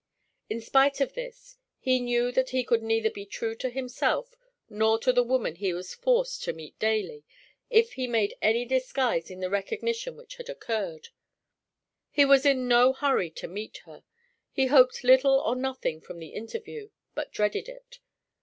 In spite of this, he knew that he could neither be true to himself, nor to the woman he was forced to meet daily, if he made any disguise of the recognition which had occurred. He was in no hurry to meet her; he hoped little or nothing from the interview, but dreaded it.